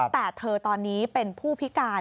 แต่เธอตอนนี้เป็นผู้พิการ